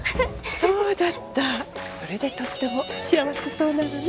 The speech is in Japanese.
そうだったそれでとっても幸せそうなのね